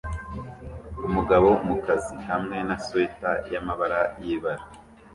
Umugabo mukazi hamwe na swater yamabara yibara